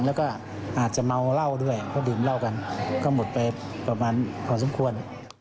แล้วก็อาจจะเมาเหล้าด้วยเพราะดื่มเหล้ากันก็หมดไปประมาณพอสมควร